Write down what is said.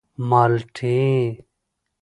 _مالټې.